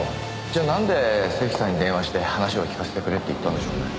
じゃあなんで関さんに電話して話を聞かせてくれって言ったんでしょうね。